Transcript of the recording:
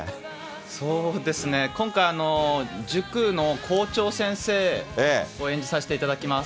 そうですね、今回、塾の校長先生を演じさせていただきます。